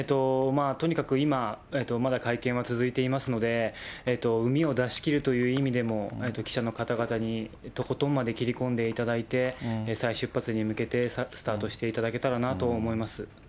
とにかく今、まだ会見は続いていますので、うみを出し切るという意味でも、記者の方々にとことんまで切り込んでいただいて、再出発に向けて、スタートしていただけたらなと思います。